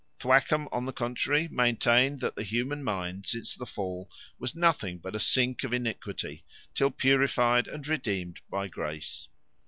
Thwackum, on the contrary, maintained that the human mind, since the fall, was nothing but a sink of iniquity, till purified and redeemed by grace.